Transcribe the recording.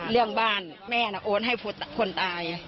เรื่องบ้านแม่น่ะโอนให้คนตาย